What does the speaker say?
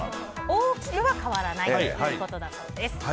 大きくは変わらないということだそうです。